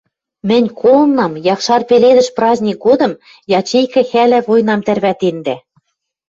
Мӹнь колынам, Якшар пеледӹш праздник годым ячейка хӓлӓ войнам тӓрвӓтендӓ.